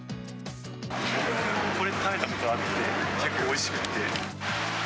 これ食べたことがあって、結構おいしくって。